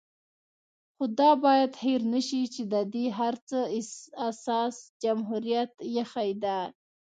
خو دا بايد هېر نشي چې د دې هر څه اساس جمهوريت ايښی دی